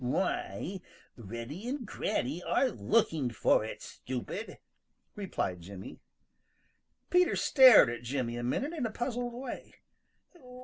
"Why, Reddy and Granny are looking for it, stupid," replied Jimmy. Peter stared at Jimmy a minute in a puzzled way.